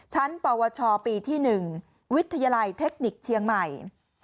ปวชปีที่๑วิทยาลัยเทคนิคเชียงใหม่